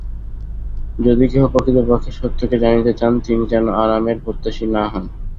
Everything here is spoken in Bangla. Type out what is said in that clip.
যদি কেহ প্রকৃতপক্ষে সত্যকে জানিতে চান, তিনি যেন আরামের প্রত্যাশী না হন।